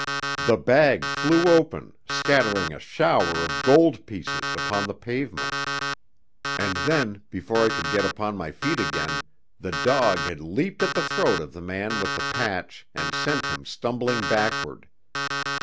The bag flew open, scattering a shower of gold pieces upon the pavement. And then, before I could get upon my feet again, the dog had leaped at the throat of the man with the patch and sent him stumbling backward.